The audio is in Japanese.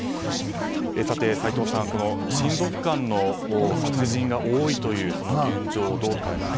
さて、齋藤さん親族間の殺人が多いという現状どう捉えますか？